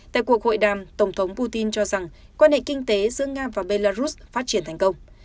tại cuộc hội đàm tổng thống putin cho rằng quan hệ kinh tế giữa nga và belarus phát triển thành công